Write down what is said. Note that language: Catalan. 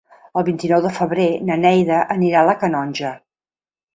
El vint-i-nou de febrer na Neida anirà a la Canonja.